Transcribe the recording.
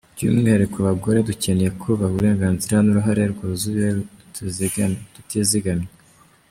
Byumwihariko abagore, dukeneye kubaha uburenganzira n’uruhare rwuzuye tutizigamye.